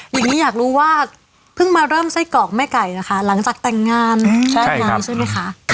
อย่างนี้อยากรู้ว่าเพิ่งมาเริ่มไส้กรอกแม่ไก่นะคะหลังจากแต่งงานชาติงานนี้ใช่ไหมคะ